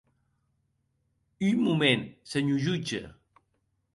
Un moment, senhor jutge.